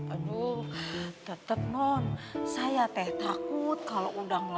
aduh tetep non saya teh takut kalau udah ngelaku